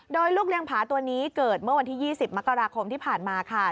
โดยลูกเลี้ยงผาตัวนี้เกิดเมื่อวันที่๒๐มกราคมที่ผ่านมาค่ะ